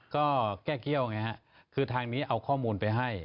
ก็แก้เกี้ยวไงฮะคือทางนี้เอาข้อมูลไปให้